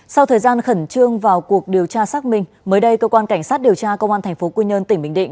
sau thời gian khẩn trương vào cuộc điều tra xác minh mới đây cơ quan cảnh sát điều tra công an tp quy nhơn tỉnh bình định